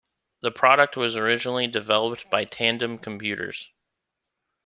The product was originally developed by Tandem Computers.